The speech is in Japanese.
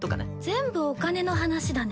全部お金の話だね。